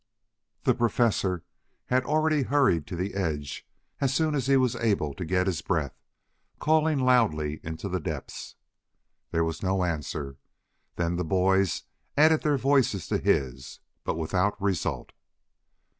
The Professor had already hurried to the edge as soon as he was able to get his breath, calling loudly into the depths. There was no answer. Then the boys added their voices to his, but without result.